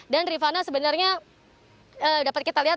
dan rifana sebenarnya dapat kita lihat